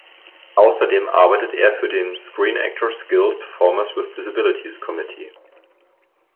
Außerdem arbeitet er für den "Screen Actors Guild Performers with Disabilities Committee".